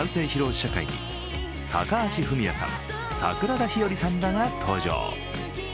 試写会に高橋文哉さん、桜田ひよりさんらが登場。